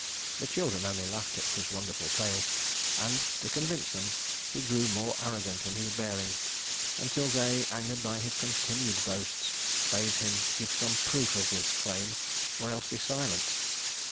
The children only laughed at his wonderful tales, and to convince them he grew more arrogant in his bearing, until they, angered by his continued boasts, bade him give some proof of his claims or else be silent.